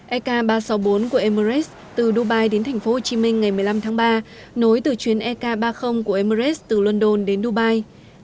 ek ba trăm sáu mươi bốn của emirates từ dubai đến tp hcm ngày một mươi năm tháng ba nối từ chuyến ek ba mươi của emirates từ london đến dubai